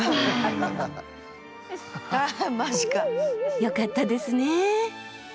よかったですね。